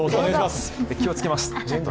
気をつけます。